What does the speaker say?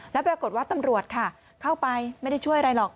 แล้วปรากฏว่าตำรวจค่ะเข้าไปไม่ได้ช่วยอะไรหรอก